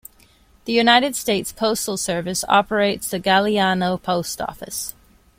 The United States Postal Service operates the Galliano Post Office.